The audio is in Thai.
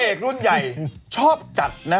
เอกรุ่นใหญ่ชอบจัดนะ